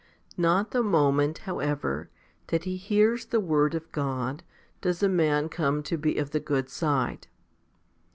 20. Not the moment, however, that he hears the word of 1 God, does a man come to be of the good side.